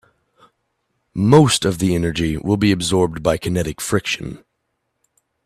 Most of the energy will be absorbed by kinetic friction.